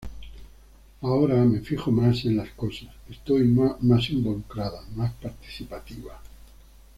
Ahora me fijo más en las cosas, estoy más involucrada, más participativa".